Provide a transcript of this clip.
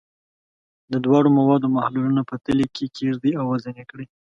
د دواړو موادو محلولونه په تلې کې کیږدئ او وزن یې کړئ.